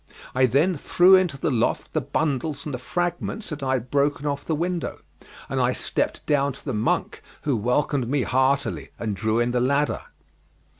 I then threw into the loft the bundles and the fragments that I had broken off the window, and I stepped down to the monk, who welcomed me heartily and drew in the ladder.